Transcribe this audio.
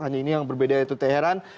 hanya ini yang berbeda yaitu teheran